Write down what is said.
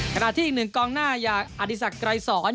ขณะที่อีก๑กองหน้าอยากอธิษฐกรายสอน